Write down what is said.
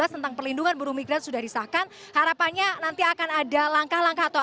tentang perlindungan buruh migran sudah disahkan harapannya nanti akan ada langkah langkah atau